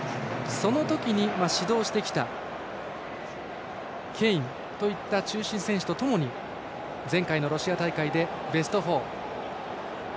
その時に指導してきたケインといった中心選手とともに前回ロシア大会でベスト４。